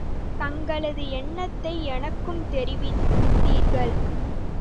தங்களது எணத்தை எனக்கும் தெரிவித்தீர்கள்.